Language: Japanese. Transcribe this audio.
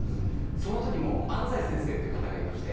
その時も安西先生という方がいまして。